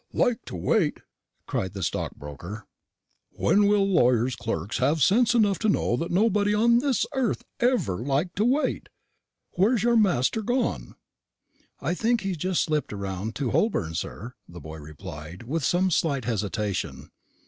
"Like to wait!" cried the stockbroker; "when will lawyers' clerks have sense enough to know that nobody on this earth ever liked to wait? Where's your master gone?" "I think he's just slipped round into Holborn, sir," the boy replied, with some slight hesitation.